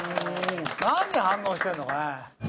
なんに反応してんのかね？